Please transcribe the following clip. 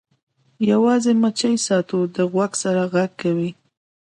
یو یوازې مچۍ ستاسو د غوږ سره غږ کوي